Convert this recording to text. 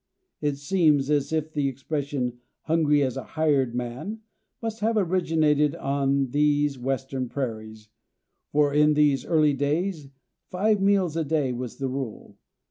It seems as if the expression "hungry as a hired man" must have originated on these western prairies, for in these early days five meals a day was the rule.